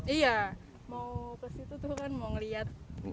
iya mau ke situ tuh kan mau ngeliat